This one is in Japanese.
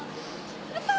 やった！